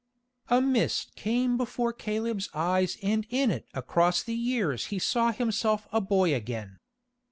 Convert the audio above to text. A mist came before Caleb's eyes and in it across the years he saw himself a boy again.